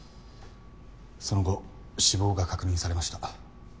その後死亡が確認されました。